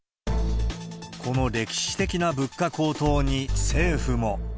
この歴史的な物価高騰に政府も。